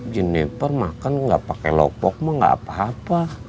jennifer makan nggak pakai lopok mah nggak apa apa